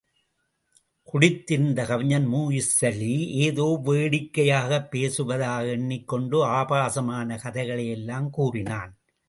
குடித்திருந்த கவிஞன் மூஇஸ்ளலி, ஏதோ வேடிக்கையாகப் பேசுவதாக எண்ணிக் கொண்டு ஆபாசமான கதைகளை யெல்லாம் கூறினான்.